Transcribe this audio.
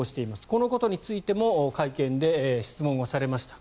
このことについても会見で質問をされました。